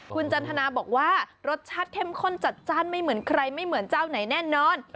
คุณจันทนาบอกว่ารสชาติเข้มข้นจัดจ้านไม่เหมือนใครไม่เหมือนเจ้าไหนแน่นอน